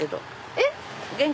えっ？